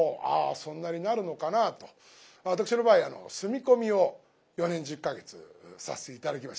そんなになるのかなと私の場合住み込みを４年１０か月させて頂きました。